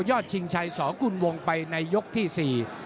ยอดชิงชัย๒กุลวงไปในยกที่๔